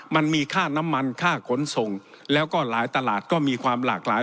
มันมีค่าน้ำมันค่าขนส่งแล้วก็หลายตลาดก็มีความหลากหลาย